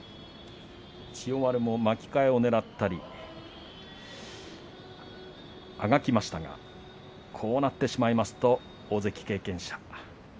千代丸も巻き替えをねらったり、あがきましたがこうなってしまいますと大関経験者